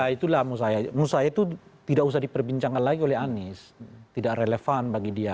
ya itulah menurut saya itu tidak usah diperbincangkan lagi oleh anies tidak relevan bagi dia